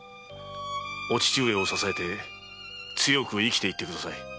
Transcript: お父上を支えて強く生きていってください。